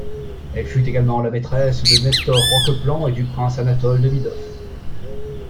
Elle fut également la maîtresse de Nestor Roqueplan et du prince Anatole Demidoff.